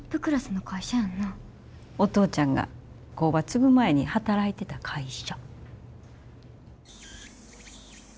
お父ちゃんが工場継ぐ前に働いてた会社。